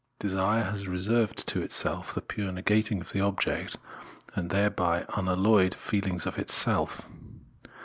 Desire has reserved to itself the pure negating of the object and thereby unalloyed feehng of self.